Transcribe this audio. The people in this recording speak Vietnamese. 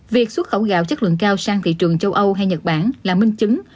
việc xuất khẩu gạo chất lượng cao sang thị trường châu âu hay nhật bản là minh chứng